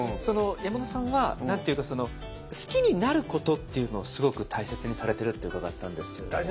山田さんは何て言うかその好きになることっていうのをすごく大切にされてるって伺ったんですけれども。